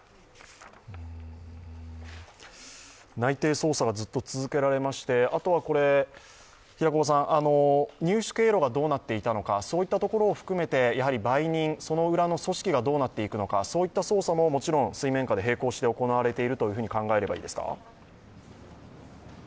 内偵捜査がずっと続けられまして、あとは入手経路がどうなっていたのか、そういったところを含めて、売人、その裏の組織がどうなっていくのかといった捜査ももちろん水面下で並行して行われていると考えればいいですか。